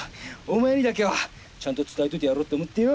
お前にだけはちゃんと伝えておいてやろうと思ってよ。